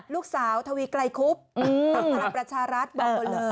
ลูกสาวทวีไกรคุบทางภาระประชารัฐบอกหมดเลย